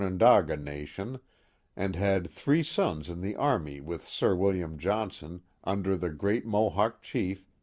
ondaga nation, and had three sons in (he army with Sir William Johnson, under the great Mo hawk chief.